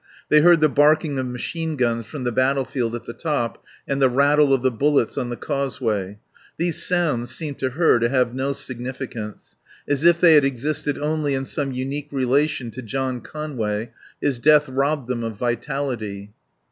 They heard the barking of machine guns from the battlefield at the top and the rattle of the bullets on the causeway. These sounds seemed to her to have no significance. As if they had existed only in some unique relation to John Conway, his death robbed them of vitality.